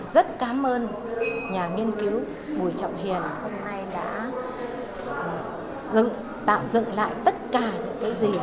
rất cám ơn nhà nghiên cứu bùi trọng hiền hôm nay đã tạo dựng lại tất cả những cái gì